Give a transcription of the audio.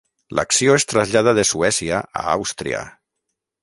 L'acció es traslladà de Suècia a Àustria.